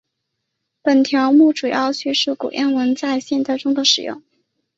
本条目主要叙述古谚文在现代的使用。